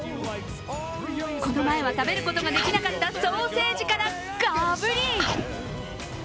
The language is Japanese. この前は食べることができなかったソーセージからガブリ！